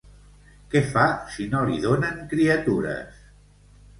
Què fa si no li donen criatures?